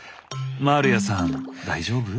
マールヤさん大丈夫？